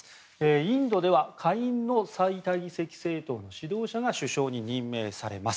インドでは下院の最多議席政党の指導者が首相に任命されます。